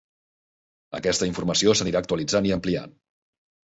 Aquesta informació s'anirà actualitzant i ampliant.